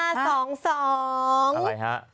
อะไรฮะ